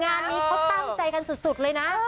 งานนี้เขาตั้งใจกันสุดเลยนะ